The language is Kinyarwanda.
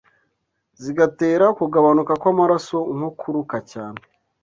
zigatera kugabanuka kw’amaraso nko kuruka cyane